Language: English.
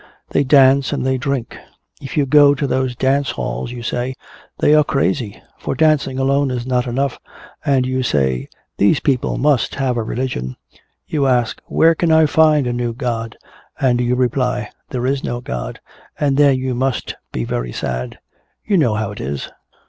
They dance and they drink. If you go to those dance halls you say, 'They are crazy!' For dancing alone is not enough. And you say, 'These people must have a religion.' You ask, 'Where can I find a new God?' And you reply, 'There is no God.' And then you must be very sad. You know how it is?